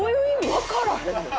わからへんねん！